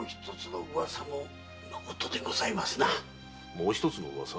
もう一つの噂？